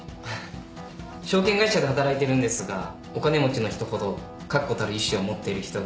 証券会社で働いてるんですがお金持ちの人ほど確固たる意志を持っている人が多いですよ。